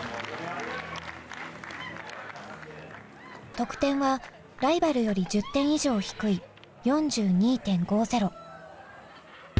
得点はライバルより１０点以上低い４２．５０。